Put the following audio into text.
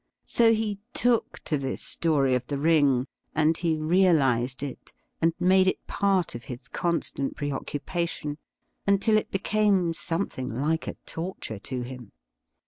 So he took to this story of the ring, and he realized it, and made it part of his constant preoccupation, until it became something like a torture to him.